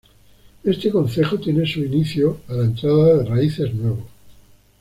Este concejo tiene su inicio a la entrada de Raíces Nuevo.